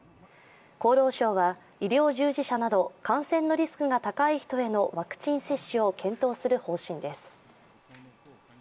厚労省は医療従事者など感染のリスクが高い人へのワクチン接種を検討する方針です。